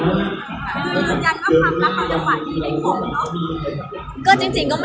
คุณยังเอาคำลักษณ์เราอย่างหวานดีในของเนอะ